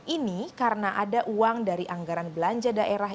ini karena ada uang dari anggaran belanja daerah